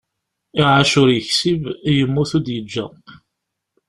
Iεac ur yeksib, yemmut ur d-yeǧǧa.